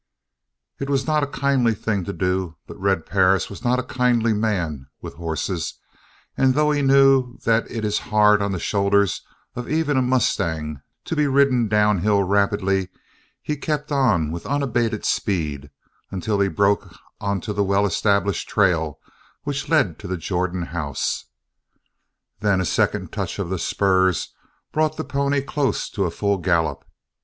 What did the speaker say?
It was not a kindly thing to do but Red Perris was not a kindly man with horses and though he knew that it is hard on the shoulders of even a mustang to be ridden downhill rapidly, he kept on with unabated speed until he broke onto the well established trail which led to the Jordan house. Then a second touch of the spurs brought the pony close to a full gallop.